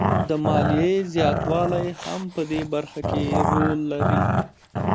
د ماليې زیاتوالی هم په دې برخه کې رول لري